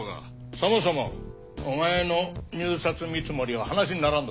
そもそもお前の入札見積もりは話にならんぞ。